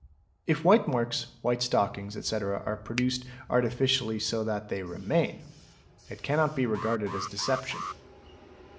If white marks, white stockings, etc., are produced artificially so that they remain, it cannot be regarded as deception.